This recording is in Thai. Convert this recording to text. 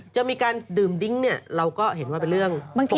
จะมีการดื่มดิ้งเนี่ยเราก็เห็นว่าเป็นเรื่อง